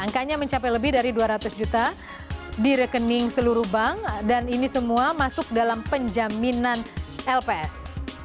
angkanya mencapai lebih dari dua ratus juta di rekening seluruh bank dan ini semua masuk dalam penjaminan lps